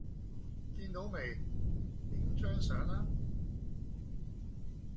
見到未？影張相啦